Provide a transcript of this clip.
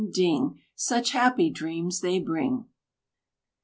DING! Such happy dreams they bring!"